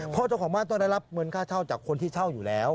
เจ้าของบ้านต้องได้รับเงินค่าเช่าจากคนที่เช่าอยู่แล้ว